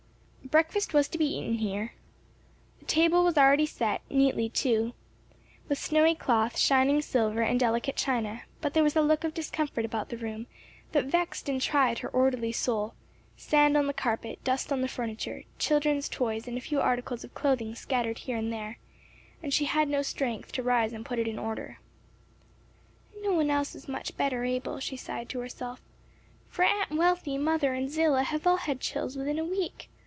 Breakfast was to be eaten here; the table was already set, neatly, too, with snowy cloth, shining silver and delicate china; but there was a look of discomfort about the room that vexed and tried her orderly soul; sand on the carpet, dust on the furniture, children's toys and a few articles of clothing scattered here and there and she had no strength to rise and put it in order. "And no one else is much better able," she sighed to herself, "for Aunt Wealthy, mother and Zillah have all had chills within a week.